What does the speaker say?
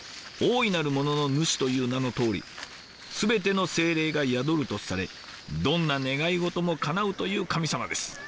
大いなる物の主という名のとおりすべての精霊が宿るとされどんな願い事もかなうという神様です。